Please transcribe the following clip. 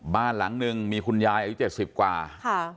บ้านหลังหนึ่งมีคุณยายอีก๗๐กว่าค่ะ